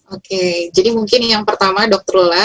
oke jadi mungkin yang pertama dokter lula